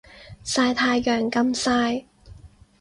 曬太陽咁曬